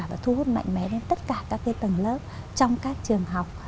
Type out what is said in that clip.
và thu hút mạnh mẽ đến tất cả các tầng lớp trong các trường học